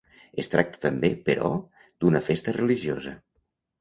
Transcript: Es tracta també, però, d'una festa religiosa.